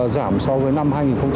giảm so với năm hai nghìn một mươi chín